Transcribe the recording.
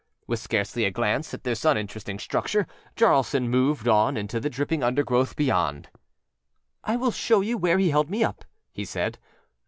â With scarcely a glance at this uninteresting structure Jaralson moved on into the dripping undergrowth beyond. âI will show you where he held me up,â he said.